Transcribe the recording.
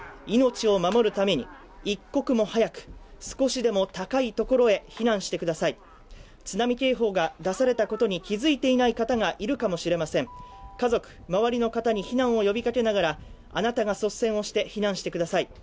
命を守るために、一刻も早く、少しでも高いところへ避難してください、津波警報が出されたことに気付いていない方がいるかもしれません家族、周りの方に避難を呼びかけながら、あなたが率先をして避難してください。